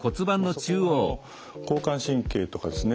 そこを交感神経とかですね